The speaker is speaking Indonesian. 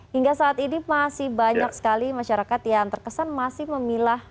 hingga saat ini masih banyak sekali masyarakat yang terkesan masih memilah